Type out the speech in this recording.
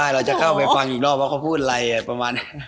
เราจะเข้าไปฟังอีกรอบว่าเขาพูดอะไร